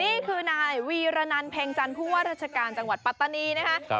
นี่คือนายวีรนันเพ็งจันทร์ผู้ว่าราชการจังหวัดปัตตานีนะคะ